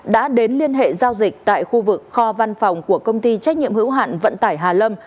đã đến liên hệ giao dịch tại khu vực kho văn phòng của công ty trách nhiệm hữu hạn vận tải hà lâm